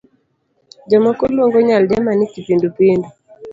Jomoko luongo nyaldiema ni kipindu pindu.